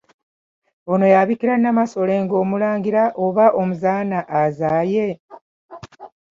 Ono y'abikira Nnamasole ng'omulangira oba omuzaana azaaye?